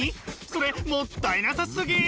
それもったいなさすぎ！